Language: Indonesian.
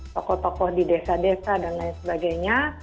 tokoh tokoh di desa desa dan lain sebagainya